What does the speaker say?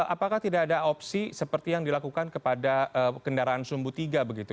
apakah tidak ada opsi seperti yang dilakukan kepada kendaraan sumbu tiga begitu